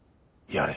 やれ。